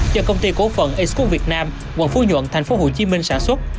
cho công ty cố phận a cook việt nam quận phú nhuận tp hcm sản xuất